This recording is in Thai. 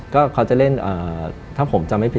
ก็เขาจะเล่นถ้าผมจำไม่ผิด